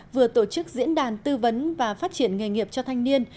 vừa tổ chức diễn đàn tư vấn và phát triển nghề nghiệp cho thanh niên